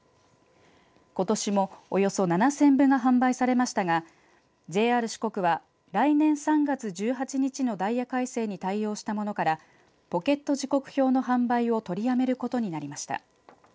ことしもおよそ７０００部が販売されましたがＪＲ四国は来年３月１８日のダイヤ改正に対応したものからポケット時刻表の販売を取りやめることになりました。